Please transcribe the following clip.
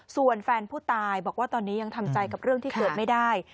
ส่วนแฟนผู้ตายบอกว่าตอนนี้ยังทำใจกับเรื่องที่เกิดไม่ได้